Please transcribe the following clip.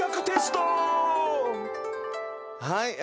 はい。